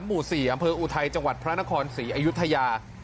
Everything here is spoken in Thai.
เกาะเป็นสี่อำเภออูไทยจังหวัดพระนครศรีอยุธยา